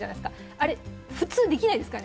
あれは普通できないですからね。